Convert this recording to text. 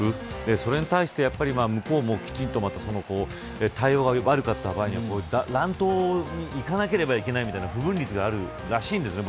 それに対して向こうもきちんと対応が悪かった場合乱闘にいかなければいけないみたいな不文律があるらしいんですね。